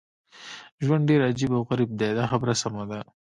ژوند ډېر عجیب او غریب دی دا خبره سمه ده.